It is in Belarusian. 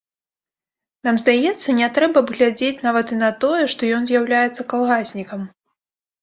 Нам здаецца, не трэба б глядзець нават і на тое, што ён з'яўляецца калгаснікам.